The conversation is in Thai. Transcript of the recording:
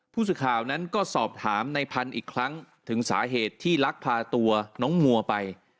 ผู้สื่อข่าวนั้นก็สอบถามในพันธุ์อีกครั้งถึงสาเหตุที่ลักพาตัวน้องมัวไป